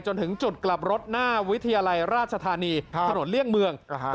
จนถึงจุดกลับรถหน้าวิทยาลัยราชธานีถนนเลี่ยงเมือง